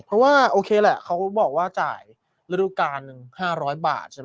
เพราะว่าโอเคแหละเขาบอกว่าจ่ายรูปการณ์๕๐๐บาทใช่ไหม